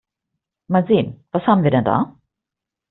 Mal sehen, was haben wir denn da?